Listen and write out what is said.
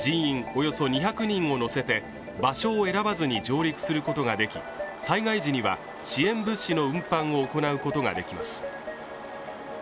およそ２００人を乗せて場所を選ばずに上陸することができ災害時には支援物資の運搬を行うことができます